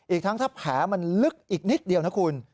อีกทั้งถ้าแผลมันลึกอีกนิดเดียวนะคุณ